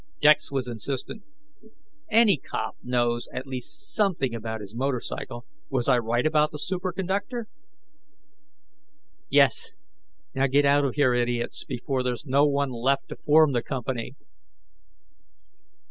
Dex was insistent: "Any cop knows at least something about his motorcycle. Was I right about the superconductor?" "Yes. Now, get out of here, idiots, before there's no one left to form the company!"